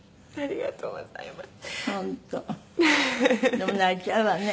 でも泣いちゃうわね。